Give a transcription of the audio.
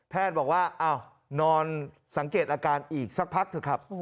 แพทย์บอกว่านอนสังเกตอาการอีกสักพักเถอะครับ